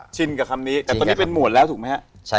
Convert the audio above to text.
ชินกับคำนี้แต่เป็นหมวดแล้วถูกม่ะฮะ